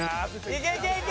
いけいけいけ！